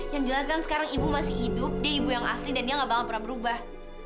yang jelas kan sekarang ibu masih hidup dia ibu yang asli dan dia gak bakal pernah berubah